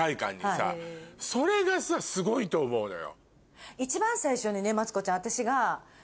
それがさすごいと思うのよ。